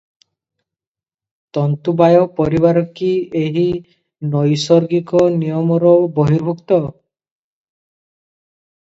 ତନ୍ତୁବାୟ ପରିବାର କି ଏହି ନୈସର୍ଗିକ ନିୟମର ବହିର୍ଭୂତ?